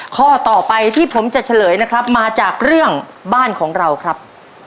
ข้อต่อไปที่ผมจะเฉลยนะครับมาจากเรื่องบ้านของเราครับ